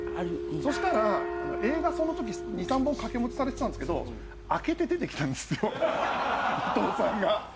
そしたら映画そのとき２３本掛け持ちされてたんすけどあけて出てきたんですよ伊藤さんが。